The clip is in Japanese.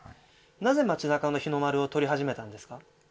なぜ町なかの日の丸を撮り始めたんですか？